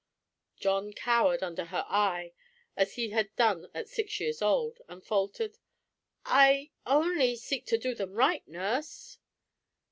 John cowered under her eye as he had done at six years old, and faltered, "I only seek to do them right, nurse."